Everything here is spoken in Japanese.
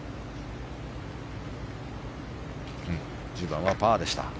１０番はパーでした。